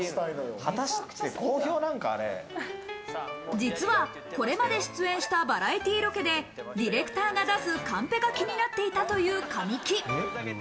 実はこれまで出演したバラエティーロケでディレクターが出すカンペが気になっていたという神木。